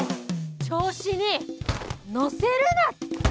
調子に乗せるな！